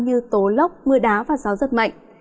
như tố lốc mưa đá và gió giật mạnh